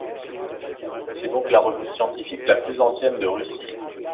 C'est donc la revue scientifique la plus ancienne de Russie.